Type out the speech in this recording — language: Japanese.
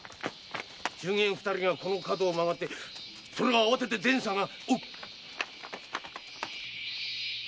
中間二人がこの角を曲がってそれを慌てて善さんが！